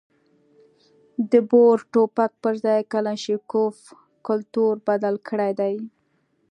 د بور ټوپک پر ځای کلاشینکوف کلتور بدل کړی دی.